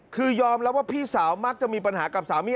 คือยอมรับว่าพี่สาวมักจะมีปัญหากับสามี